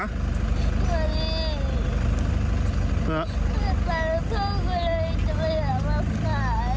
เฮ้อพ่อเข้าไปเลยจะมาหามาขายอ่ะ